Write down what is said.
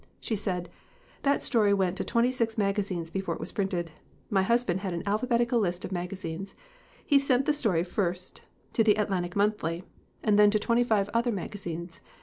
She said: "That story went to twenty six magazines before it was printed. My husband had an alphabetical list of magazines. He sent the story first to the Atlantic Monthly and then to twenty five other magazines.